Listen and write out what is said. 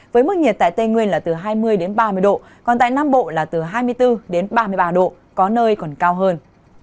với mức nhiệt tại tây nguyên là từ hai mươi ba mươi độ còn tại nam bộ là từ hai mươi bốn đến ba mươi ba độ có nơi còn cao hơn